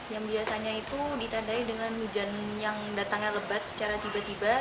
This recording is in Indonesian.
yang biasanya itu ditandai dengan hujan yang datangnya lebat secara tiba tiba